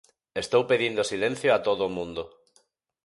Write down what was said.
Estou pedindo silencio a todo o mundo.